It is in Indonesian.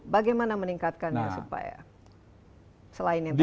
bagaimana meningkatkannya supaya selain yang terbaik